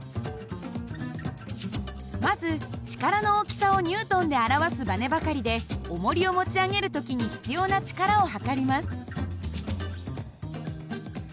まず力の大きさをＮで表すばねばかりでおもりを持ち上げる時に必要な力を量ります。